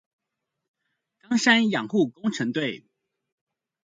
岡山養護工程隊